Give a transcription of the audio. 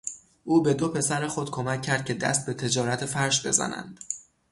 او به دو پسر خود کمک کرد که دست به تجارت فرش بزنند.